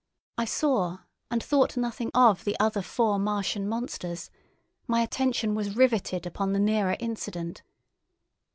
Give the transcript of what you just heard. I saw and thought nothing of the other four Martian monsters; my attention was riveted upon the nearer incident.